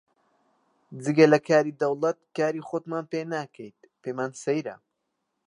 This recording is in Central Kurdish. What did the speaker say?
جگە لە کاری دەوڵەت کاری خۆتمان پێ ناکەی، پێمان سەیرە